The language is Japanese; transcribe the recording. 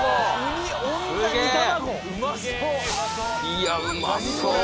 いやうまそう！